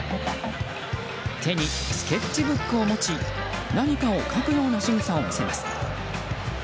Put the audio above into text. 手にスケッチブックを持ち何かを描くようなしぐさを見せます。